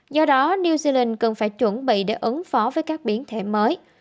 do đó new zealand cần phải chuẩn bị để ứng phó với các biến thể mới